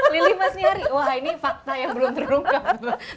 lili masnihari wah ini fakta yang belum terungkap